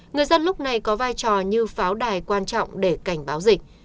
người dân lúc này có vai trò như pháo đài quan trọng để cảnh báo dịch